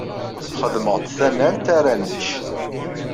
Xedmeɣ-d tanalt ara nečč.